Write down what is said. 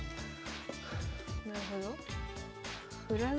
なるほど。